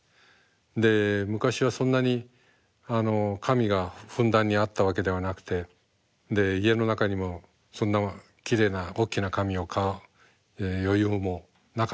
で昔はそんなに紙がふんだんにあったわけではなくてで家の中にもそんなきれいなおっきな紙を買う余裕もなかった。